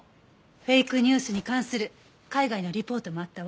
フェイクニュースに関する海外のリポートもあったわ。